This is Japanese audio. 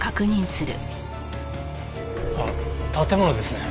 あっ建物ですね。